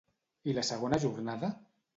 I la segona jornada?